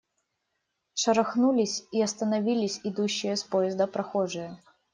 Шарахнулись и остановились идущие с поезда прохожие.